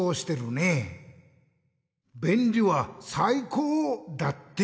「べんりはさいこう！」だって。